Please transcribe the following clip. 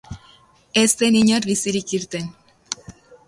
Ez zen inor bizirik irten.